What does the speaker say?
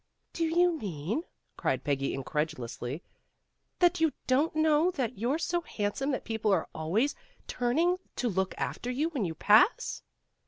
"Do you mean," cried Peggy incredulously, that you don't know that you're so handsome that people are always turning to look after you when you pass?"